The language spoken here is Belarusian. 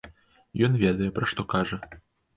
Ён ведае, пра што кажа.